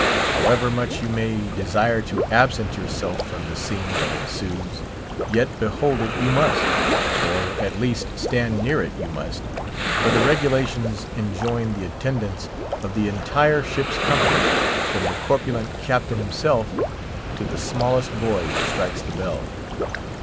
However much you may desire to absent yourself from the scene that ensues, yet behold it you must; or, at least, stand near it you must; for the regulations enjoin the attendance of the entire ship's company, from the corpulent Captain himself to the smallest boy who strikes the bell.